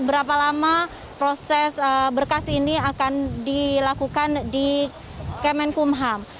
berapa lama proses berkas ini akan dilakukan di kemenkumham